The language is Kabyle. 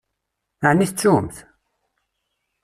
Ɛni tettumt?